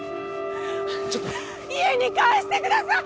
ちょっと家に帰してください